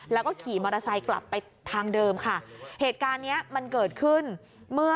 แล้วก็ขี่มอเตอร์ไซค์กลับไปทางเดิมค่ะเหตุการณ์เนี้ยมันเกิดขึ้นเมื่อ